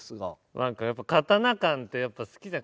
なんかやっぱ刀感ってやっぱ好きじゃん。